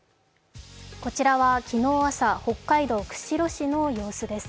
こちらは昨日朝、北海道釧路市の様子です。